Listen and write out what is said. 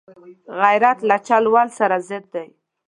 غیرت له چل ول سره ضد دی